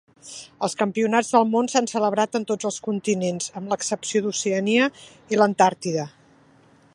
Els Campionats del Món s'han celebrat en tots els continents, amb l'excepció d'Oceania i l'Antàrtida.